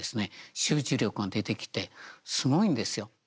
集中力が出てきてすごいんですよ。